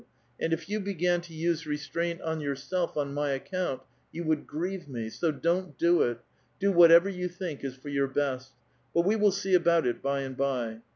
And if you began to use restraint on yourself on my account, you would grieve me ; so don't do it. Do whatever you think is for your best. But we will see about it by and by.